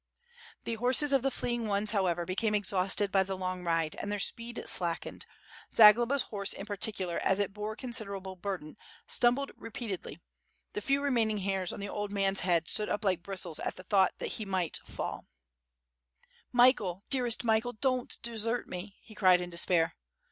The horses of the fleeing ones, however, became exhausted by the long ride, and their speed slackened. Zagloba's horse in particular, as it bore considerable burden, stumbled re peatedly; the few remaining hairs on the old man's head stood up like bristles at the thought that he might fall. 68o WITH FIRE AND SWORD, ^TMichael, dearest Michael, do not desert me!" he cried in despair.